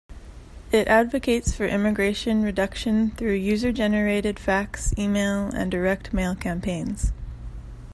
It advocates for immigration reduction through user-generated fax, email, and direct mail campaigns.